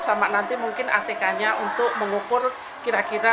sama nanti mungkin atk nya untuk mengukur kira kira